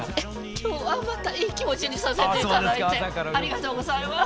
今日はまたいい気持ちにさせて頂いてありがとうございます。